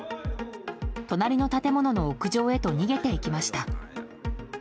隣の建物の屋上へと逃げていきました。